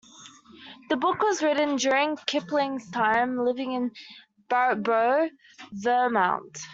The book was written during Kipling's time living in Brattleboro, Vermont.